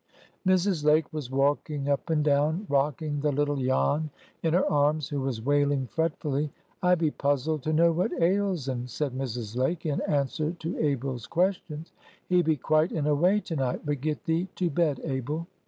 Mrs. Lake was walking up and down, rocking the little Jan in her arms, who was wailing fretfully. "I be puzzled to know what ails un," said Mrs. Lake, in answer to Abel's questions. "He be quite in a way to night. But get thee to bed, Abel."